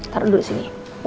taruh dulu sini ya